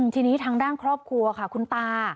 ทีนี้ทางด้านครอบครัวค่ะคุณตา